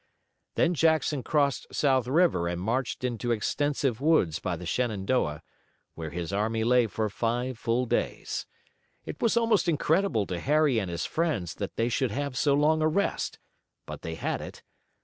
Then Jackson crossed South River and marched into extensive woods by the Shenandoah, where his army lay for five full days. It was almost incredible to Harry and his friends that they should have so long a rest, but they had it.